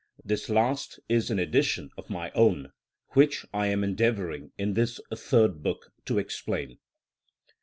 This last is an addition of my own, which I am endeavouring in this Third Book to explain.